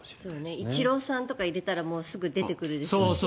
イチローさんとか入れたらすぐに出てくるでしょうね。